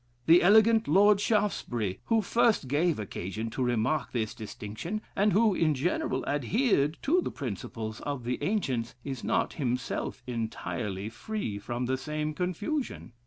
The elegant Lord Shaftesbury, who first gave occasion to remark this distinction, and who, in general, adhered to the principles of the ancients, is not, himself, entirely free from the same confusion....